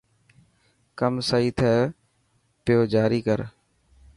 ڪم سهي ٿي پوي جاري ڪر.